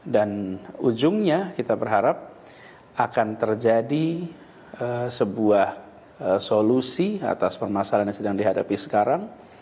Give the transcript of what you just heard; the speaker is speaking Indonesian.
dan ujungnya kita berharap akan terjadi sebuah solusi atas permasalahan yang sedang dihadapi sekarang